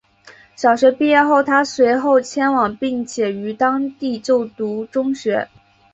小学毕业后她随后迁往并且于当地就读中学。